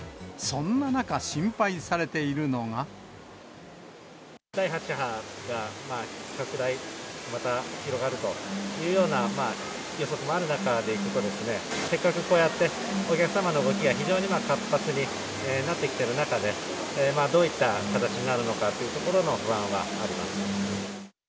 しかし、第８波が拡大、また広がるというような予測もある中で、せっかくこうやってお客様の動きが非常に活発になってきている中で、どういった形になるのかというところの不安はあります。